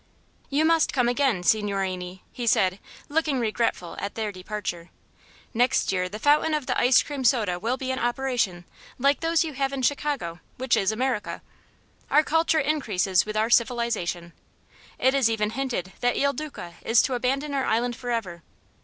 "You must come again, signorini," said he, looking regretful at their departure. "Next year the fountain of the ice cream soda will be in operation, like those you have in Chicago, which is America. Our culture increases with our civilization. It is even hinted that Il Duca is to abandon our island forever.